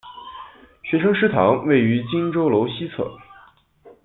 学生食堂位于荆州楼西侧。